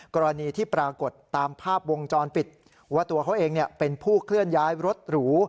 กรณีที่ปรากฏตามภาพวงจรปิดว่าตัวเขาเองเป็นผู้เคลื่อนย้ายรถหรู